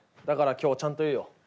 だから今日ちゃんと言うよ。